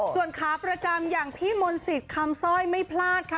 ส่วนขาประจำอย่างพี่มนต์สิทธิ์คำสร้อยไม่พลาดค่ะ